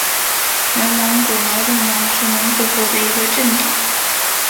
全蒙古劳动党是蒙古国的一个政党。